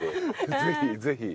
ぜひぜひ。